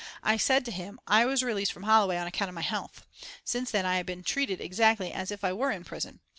I said to him: "I was released from Holloway on account of my health. Since then I have been treated exactly as if I were in prison.